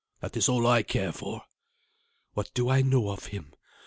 That is all I care for." "What do I know of him?